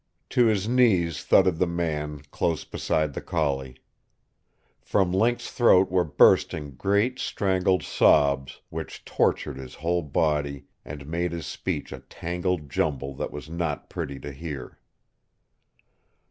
To his knees thudded the man, close beside the collie. From Link's throat were bursting great strangled sobs which tortured his whole body and made his speech a tangled jumble that was not pretty to hear.